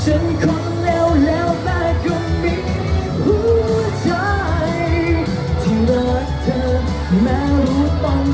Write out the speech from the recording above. เหมือนเสมอมันไม่สาง